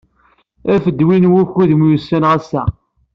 Af-d win wukud myussaneɣ ass-a!